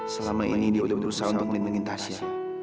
selama ini dia udah berusaha untuk menginfekin tasya